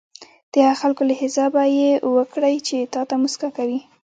د هغه خلکو له حسابه یې وکړئ چې تاته موسکا کوي.